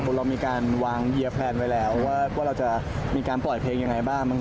เรามีการวางเฮียร์แพลนไว้แล้วว่าเราจะมีการปล่อยเพลงยังไงบ้าง